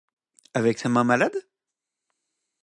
Avec sa main malade?